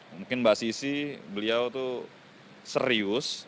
mungkin mbak sisi beliau itu serius